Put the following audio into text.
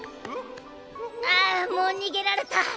あもう逃げられた！